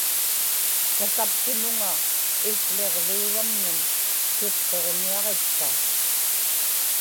tasaptumuŋa ikł̣iġviuramnun tutquġniaġitka